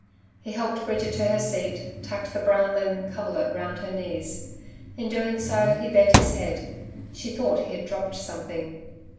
He helped Bridget to her seat, tucked the brown linen coverlet round her knees. In doing so, he bent his head she thought he had dropped something.